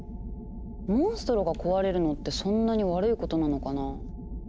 モンストロが壊れるのってそんなに悪いことなのかな？